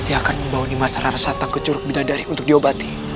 di curug bidadari untuk diobati